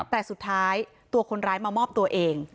แต่สุดท้ายตัวคนร้ายมามอบตัวเอง